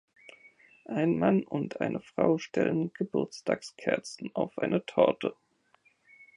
Ein Mann und eine Frau stellen Geburtstagskerzen auf eine Torte.